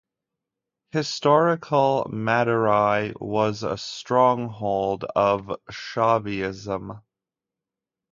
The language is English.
Historical Madurai was a stronghold of Shaivism.